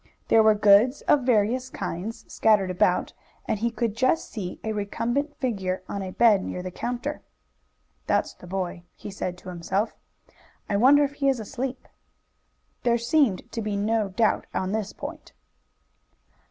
There were goods of various kinds scattered about, and he could just see a recumbent figure on a bed near the counter. "That's the boy," he said to himself. "I wonder if he is asleep." There seemed to be no doubt on this point.